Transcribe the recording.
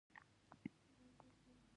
ایا زه باید په یخ ځای کې ویده شم؟